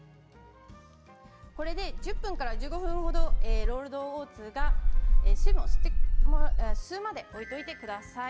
これで１０分から１５分程ロールドオーツが水分を吸うまで置いておいてください。